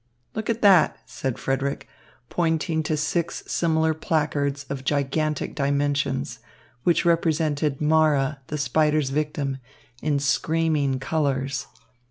"Look at that," said Frederick, pointing to six similar placards of gigantic dimensions, which represented Mara, the Spider's Victim, in screaming colours.